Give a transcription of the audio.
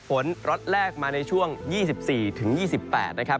ฝนรอดแรกมาในช่วง๒๔๒๘นะครับ